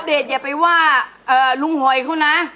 อัปเดตอย่าไปว่ารุงหอยครึงนะ